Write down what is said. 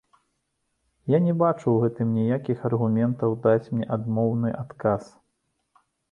Я не бачу ў гэтым нейкіх аргументаў даць мне адмоўны адказ.